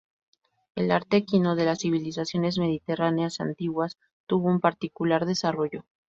El arte equino de las civilizaciones mediterráneas antiguas tuvo un particular desarrollo.